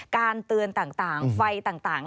การเตือนต่างไฟต่าง